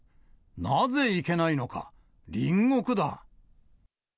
なぜいけないのか、隣国だ。